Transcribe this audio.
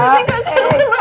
mau kembali aja